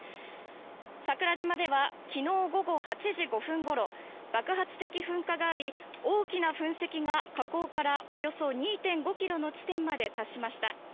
桜島では昨日午後８時５分ごろ爆発的噴火があり大きな噴石が火口からおよそ２．５ｋｍの地点まで達しました。